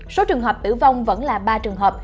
số trường hợp tử vong vẫn là ba trường hợp